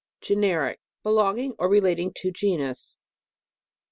GENERIC. Belonging or relating to genus.